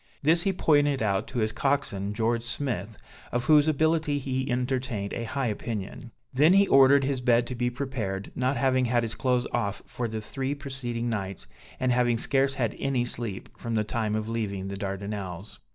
This he pointed out to his coxswain, George Smith, of whose ability he entertained a high opinion. Then he ordered his bed to be prepared, not having had his clothes off for the three preceding nights, and having scarce had any sleep from the time of leaving the Dardanelles.